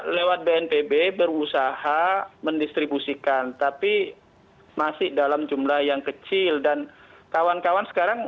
lewat bnpb berusaha mendistribusikan tapi masih dalam jumlah yang kecil dan kawan kawan sekarang